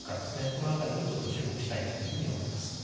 この辺りも注目したいと思います。